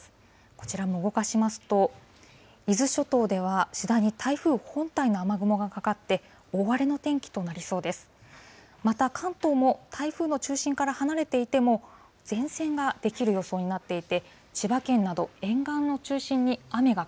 こちらも動かしますと、伊豆諸島では次第に台風本体の雨雲がかかって、大荒れの天気となりそうです。